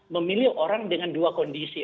memilih orang dengan dua kondisi